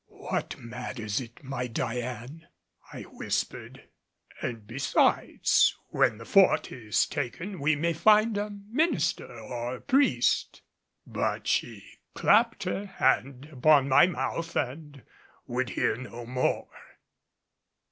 "What matters it, my Diane?" I whispered. "And besides when the Fort is taken we may find a minister or priest " But she clapped her hand upon my mouth and would hear no more.